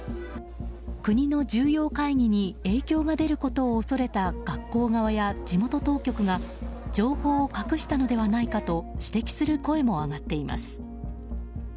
国の重要会議に影響が出ることを恐れた学校側や地元当局が情報を隠したのではないかと指摘する声も上がっています。